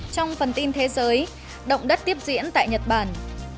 trong phần tin thế giới động đất tiếp diễn tại nhật bản